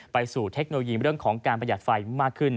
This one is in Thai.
ไปสู่เทคโนโลยีเรื่องของการประหยัดไฟมากขึ้น